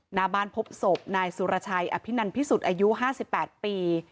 หน้าบ้านพบศพนายสุรชัยอภินันพิสุทธิ์อายุ๕๘ปี